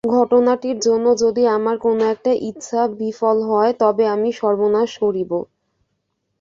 ঘটনাটির জন্য যদি আমার কোনো একটা ইচ্ছা বিফল হয়, তবে আমি সর্বনাশ করিব।